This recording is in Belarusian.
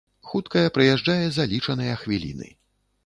Хуткая прыязджае за лічаныя хвіліны.